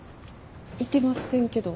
いてませんけど。